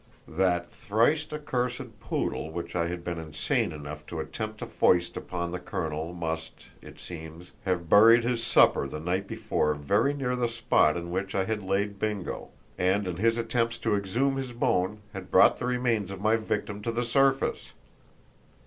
That thrice accursed poodle which I had been insane enough to attempt to foist upon the colonel must, it seems, have buried his supper the night before very near the spot in which I had laid Bingo, and in his attempts to exhume his bone had brought the remains of my victim to the surface!